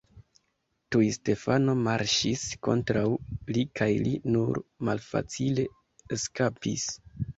Tuj Stefano marŝis kontraŭ li kaj li nur malfacile eskapis.